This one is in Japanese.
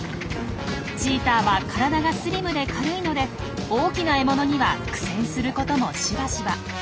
チーターは体がスリムで軽いので大きな獲物には苦戦することもしばしば。